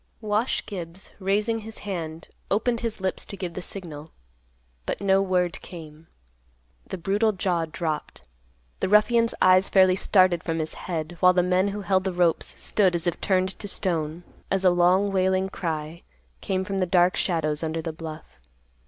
Wash Gibbs, raising his hand, opened his lips to give the signal. But no word came. The brutal jaw dropped. The ruffian's eyes fairly started from his head, while the men who held the ropes, stood as if turned to stone, as a long wailing cry came from the dark shadows under the bluff.